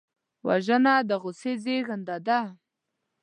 وژنه د غصې زېږنده ده